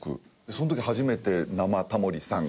その時初めて生タモリさん。